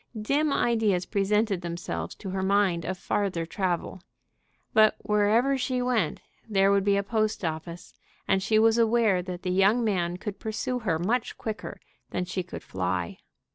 Dim ideas presented themselves to her mind of farther travel. But wherever she went there would be a post office, and she was aware that the young man could pursue her much quicker than she could fly.